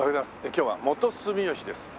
今日は元住吉です。